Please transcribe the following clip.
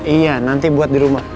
iya nanti buat dirumah